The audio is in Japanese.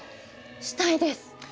したいです。